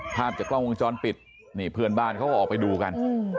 ภาพจากกล้องวงจรปิดนี่เพื่อนบ้านเขาก็ออกไปดูกัน